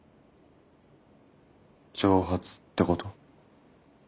蒸発ってこと？